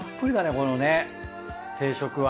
このね定食は。